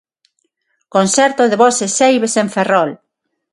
Concerto de Voces Ceibes en Ferrol.